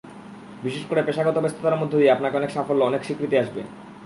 বিশেষ করে পেশাগত ব্যস্ততার মধ্য দিয়ে আপনার অনেক সাফল্য, অনেক স্বীকৃতি আসবে।